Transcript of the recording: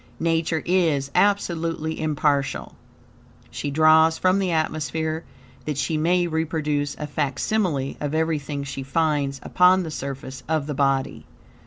Nature is absolutely impartial. She draws from the atmosphere that she may reproduce a fac simile of everything she finds upon the surface of the body.